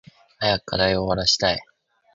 早く課題終わらしたい。